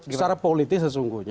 secara politik sesungguhnya